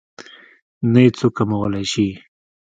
نه يې څوک کمولی شي.